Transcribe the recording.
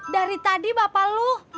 dari tadi bapak lo